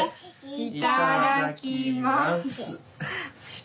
いただきます。